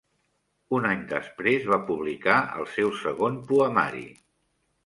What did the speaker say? Un any després va publicar el seu segon poemari.